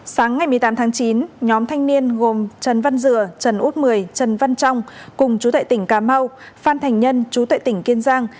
sáng ngày một mươi tám tháng chín nhóm thanh niên gồm trần văn dừa trần út mười trần văn trong cùng chú tại tỉnh cà mau phan thành nhân chú tại tỉnh kiên giang